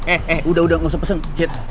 eh eh udah udah gak usah pesen chit